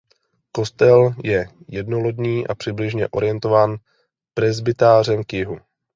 Kostel je jednolodní a přibližně orientován presbytářem k jihu.